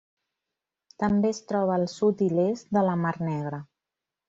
També es troba al sud i l'est de la Mar Negra.